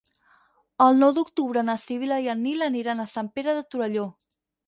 El nou d'octubre na Sibil·la i en Nil aniran a Sant Pere de Torelló.